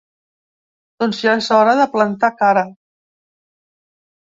Doncs ja és hora de planta cara.